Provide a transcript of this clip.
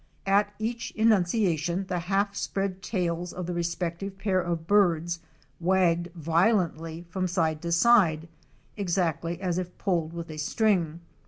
At each enunciation the half spread tails of the respective pair of birds wagged vio lently from side to side, exactly as if pulled with a string.